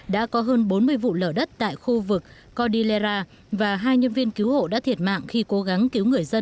đã có hơn bốn mươi vụ lở đất tại khu vực kodi léra và hai nhân viên cứu hộ đã thiệt mạng khi cố gắng cứu người dân